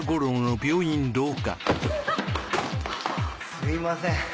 すみません。